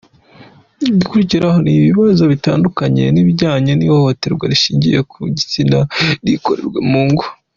Igikurikiraho ni ibibazo bitandukanye bijyanye n’ihohoterwa rishingiye ku gitsina n’irikorerwa mu ngo.